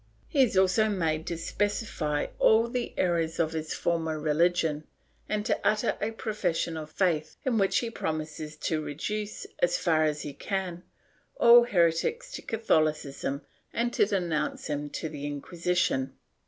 He is also made to specify all the errors of his former religion, and to utter a profession of faith in which he promises to reduce, as far as he can, all heretics to Catholicism and to denounce them to the Inquisition.